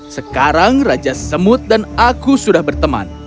sekarang raja semut dan aku sudah berteman